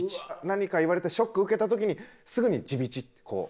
何か言われてショック受けた時にすぐに「自美知」ってこう。